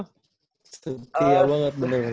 yang buat setia banget bener ini ya kak